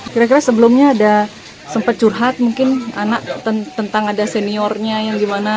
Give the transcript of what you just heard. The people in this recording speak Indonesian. kira kira sebelumnya ada sempat curhat mungkin anak tentang ada seniornya yang gimana